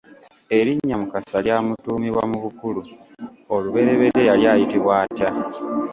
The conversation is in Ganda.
Erinnya Mukasa lyamutuumibwa mu bukulu, olubereberye yali ayitibwa atya?